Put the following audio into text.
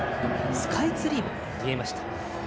スカイツリーも見えました。